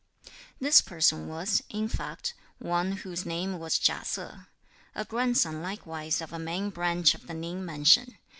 This person was, in fact, one whose name was Chia Se; a grandson likewise of a main branch of the Ning mansion.